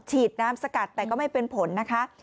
ฉีดน้ำสกัดแต่ก็ไม่เป็นผลนะคะ